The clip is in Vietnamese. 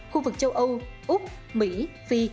khu vực châu âu úc mỹ phi